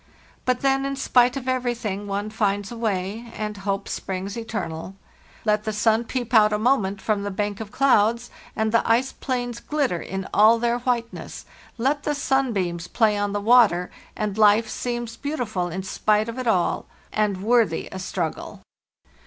But then, in spite of everything, one finds a way, and hope springs eternal. II.—17 8 FARTHEST NORTH tun Let the sun peep out a moment from the bank of clouds, and the ice plains glitter in all their whiteness; let the sunbeams play on the water, and life seems beautiful in spite of all, and worthy a struggle.